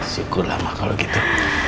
syukurlah ma kalau gitu